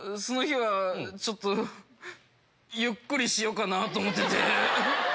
その日はちょっとゆっくりしようかなと思ってて。